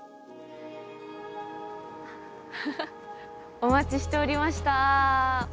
お待ちしておりました。